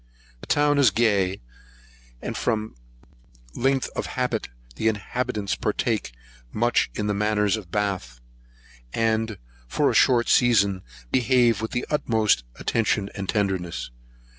The town is gay, and from length of habit, the inhabitants partake much of the manners of Bath; and, for a short season, behave with the utmost attention and tenderness.